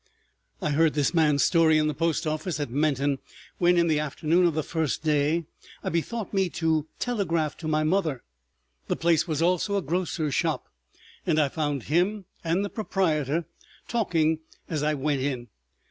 I heard this man's story in the post office at Menton, when, in the afternoon of the First Day, I bethought me to telegraph to my mother. The place was also a grocer's shop, and I found him and the proprietor talking as I went in.